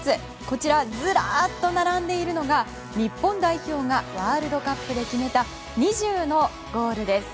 こちら、ずらっと並んでいるのが日本代表がワールドカップで決めた２０のゴールです。